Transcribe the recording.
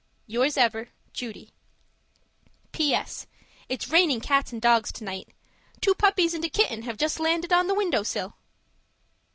Yours ever, Judy PS. It's raining cats and dogs tonight. Two puppies and a kitten have just landed on the window sill.